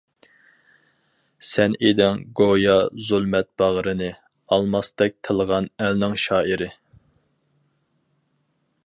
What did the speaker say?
سەن ئىدىڭ گويا زۇلمەت باغرىنى، ئالماستەك تىلغان ئەلنىڭ شائىرى.